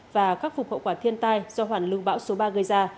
và khắc phục hậu quả thiên tai do hoàn lưu bão số ba gây ra